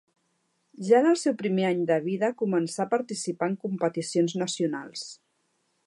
Ja en el seu primer any de vida començà a participar en competicions nacionals.